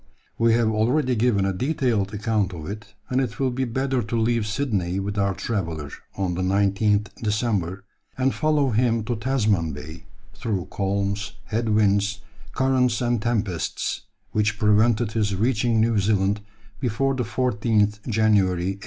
We have already given a detailed account of it, and it will be better to leave Sydney with our traveller, on the 19th December, and follow him to Tasman Bay, through calms, head winds, currents, and tempests, which prevented his reaching New Zealand before the 14th January, 1827.